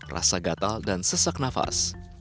rasa gatal dan sesak nafas